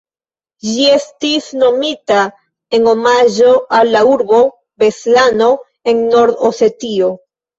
Ĝi estis nomita en omaĝo al la urbo Beslano en Nord-Osetio.